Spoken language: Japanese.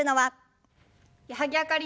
矢作あかりです。